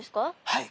はい。